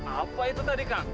apa itu tadi kang